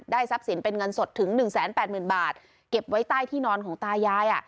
ทรัพย์สินเป็นเงินสดถึง๑๘๐๐๐บาทเก็บไว้ใต้ที่นอนของตายาย